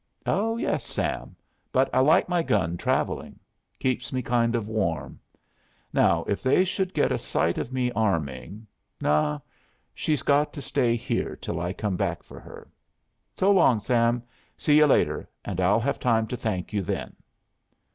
"Oh yes, Sam. But I like my gun travelling. Keeps me kind of warm. Now if they should get a sight of me arming no, she's got to stay here till I come back for her. So long, Sam! See you later. And I'll have time to thank you then."